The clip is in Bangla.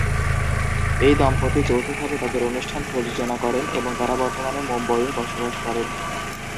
এই দম্পতি যৌথভাবে তাঁদের অনুষ্ঠান প্রযোজনা করেন এবং তাঁরা বর্তমানে মুম্বইয়ে বসবাস করেন।